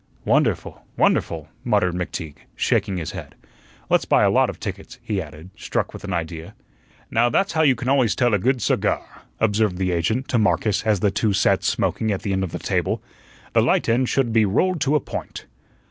"Wonderful, wonderful!" muttered McTeague, shaking his head. "Let's buy a lot of tickets," he added, struck with an idea. "Now, that's how you can always tell a good cigar," observed the agent to Marcus as the two sat smoking at the end of the table. "The light end should be rolled to a point."